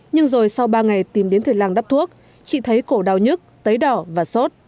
nhưng rồi sau ba ngày tìm đến thầy làng đắp thuốc chị thấy cổ đau nhức tấy đỏ và sốt